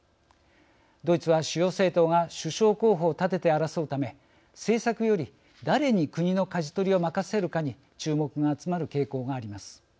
ドイツは主要政党が首相候補を立てて争うため政策より誰に国のかじ取りを任せるかに注目が集まる傾向があります。